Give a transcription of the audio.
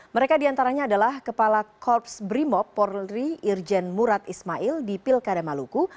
mereka diantaranya adalah kepala korps brimob polri irjen murad ismail di pilkada maluku